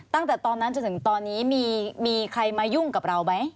ตั้งแต่ตอนนั้นจนถึงตอนนี้มีใครมายุ่งกับเราไหม